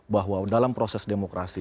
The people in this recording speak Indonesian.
bahwa dalam proses demokrasi